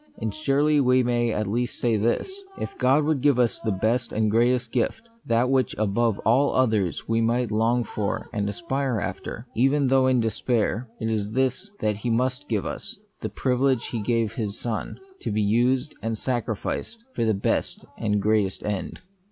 And surely we may at least say this : If God would give us the best and greatest gift, that which above all others we might long for and aspire after, even though in despair, it is this that He must give us, the privilege He gave His Son, to be used and sacrificed for the best and greatest end.